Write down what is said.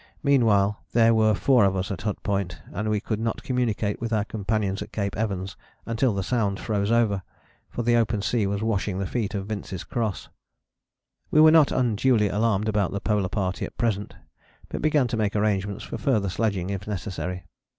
Meanwhile there were four of us at Hut Point and we could not communicate with our companions at Cape Evans until the Sound froze over, for the open sea was washing the feet of Vince's Cross. We were not unduly alarmed about the Polar Party at present, but began to make arrangements for further sledging if necessary.